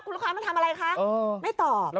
คุณลูกค้ามาทำอะไรค่ะ